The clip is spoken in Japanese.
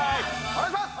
お願いします！